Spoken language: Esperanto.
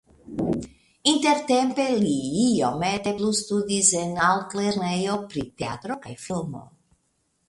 Intertempe li iomete plustudis en Altlernejo pri Teatro kaj Filmo.